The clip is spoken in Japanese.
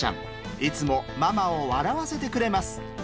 いつもママを笑わせてくれます。